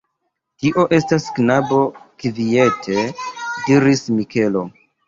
Tio estas knabo, kviete diris Mikelo.